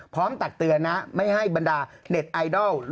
ตักเตือนนะไม่ให้บรรดาเน็ตไอดอล